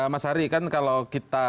mas ari kan kalau kita